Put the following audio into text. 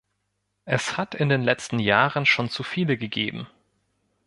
Es hat in den letzten Jahren schon zu viele gegeben.